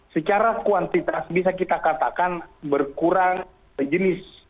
secara kuantitas bisa kita katakan berkurang jenis